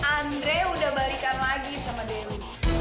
andre udah balikan lagi sama dewi